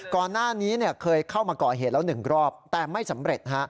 ก่อนหน้านี้เคยเข้ามาก่อเหตุแล้ว๑รอบแต่ไม่สำเร็จ